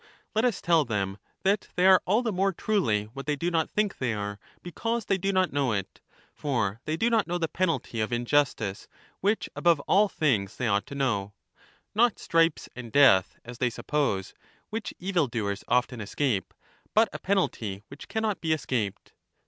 Let us tell them that they ire all the more truly what they do not think they are because they do not know it ; for they do not know the penalty of injustice, which above all things they ought to know — not stripes and death, as they suppose, which evil doers often escape, but a penalty which cannot be escaped.